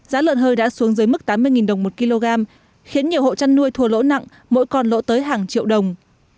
giá lợn hơi đã xuống dưới mức tám mươi đồng một kg khiến nhiều hộ chăn nuôi thua lỗ nặng mỗi con lỗ tới hàng triệu đồng